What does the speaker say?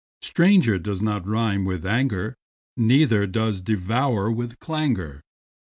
Stranger does not rime with anger, Neither does devour with clangour.